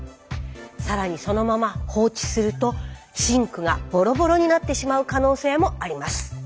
更にそのまま放置するとシンクがボロボロになってしまう可能性もあります。